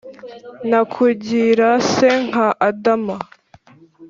Nakugira se nka Adama,